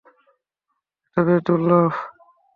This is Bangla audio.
এটা বেশ দুর্লভ।